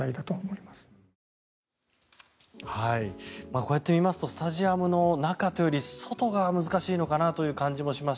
こうやってみますとスタジアムの中というより外が難しいのかなという感じもします